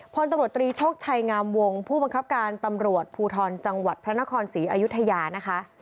พลตำรวจตรีโชคชัยงามวงผู้บังคับการตำรวจภูทรจังหวัดพระนครศรีอยุธยานะคะ